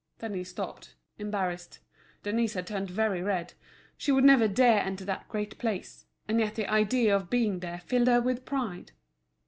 Then he stopped, embarrassed, Denise had turned very red; she would never dare enter that great place, and yet the idea of being there filled her with pride.